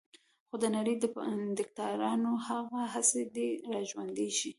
خو د نړۍ د دیکتاتورانو هغه حس دې را ژوندی شي.